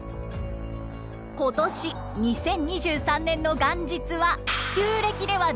今年２０２３年の元日は旧暦では１２月１０日。